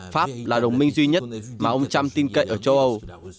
pháp là đồng minh duy nhất mà ông trump tin cậy ở châu âu